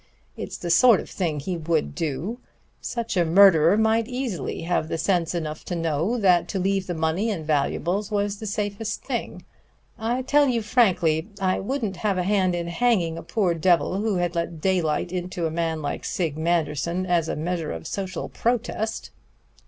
It's the sort of thing he would do. Such a murderer might easily have sense enough to know that to leave the money and valuables was the safest thing. I tell you frankly, I wouldn't have a hand in hanging a poor devil who had let daylight into a man like Sig Manderson as a measure of social protest."